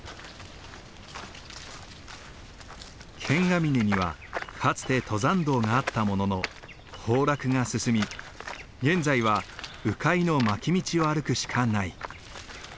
剣ヶ峰にはかつて登山道があったものの崩落が進み現在は迂回の巻き道を歩くしかない。